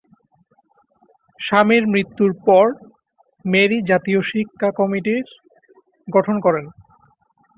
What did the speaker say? স্বামীর মৃত্যুর পর মেরি জাতীয় স্বাস্থ্য শিক্ষা কমিটি প্রতিষ্ঠা করেন।